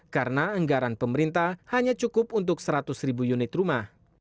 karena anggaran pemerintah hanya cukup untuk seratus ribu unit rumah